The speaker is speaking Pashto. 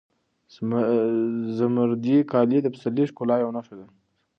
زمردي کالي د پسرلي د ښکلا یوه نښه ده.